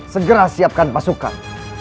segera siapkan pasukan